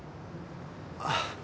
あっ。